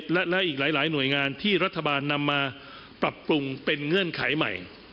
ฟังท่านนายก่อนนะฮะ